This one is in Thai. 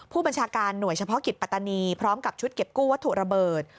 ผู้บัญชาการหน่วยเฉพาะกิจปัตตานีพร้อมกับชุดเก็บกู้วัตถุระเบิด